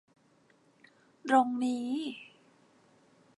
ตรงนี้